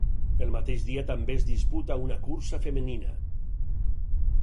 El mateix dia també es disputa una cursa femenina.